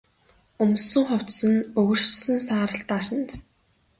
Өмссөн хувцас нь өгөршсөн саарал даашинз.